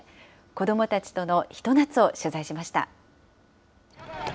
子どもたちとのひと夏を取材しました。